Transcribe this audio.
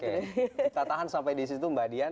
kita tahan sampai disitu mbak dian